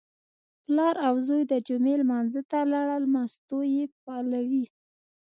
پلار او زوی د جمعې لمانځه ته لاړل، مستو یې پالوې.